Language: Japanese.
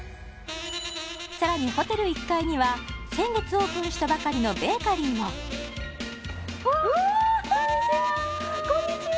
さらにホテル１階には先月オープンしたばかりのベーカリーもおっこんにちはうわ